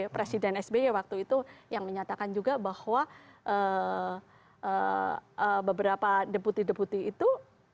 presiden sby waktu itu yang menyatakan juga bahwa beberapa deputi deputi itu